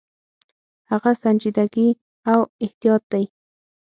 هغه سنجیدګي او احتیاط دی.